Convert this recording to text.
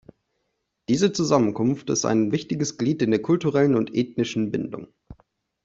Diese Zusammenkunft ist ein wichtiges Glied in der kulturellen und ethnischen Bindung.